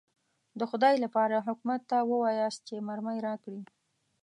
د خدای لپاره حکومت ته ووایاست چې مرمۍ راکړي.